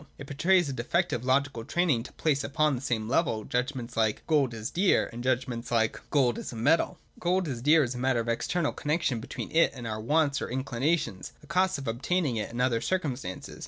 It betrays a defective logical training to place upon the same level judgments like 'gold is dear,' and judgments like 'gold is a metal.' That ' gold is dear ' is a matter of external connexion between it and our wants or inclinations, the costs of obtaining it, and other circumstances.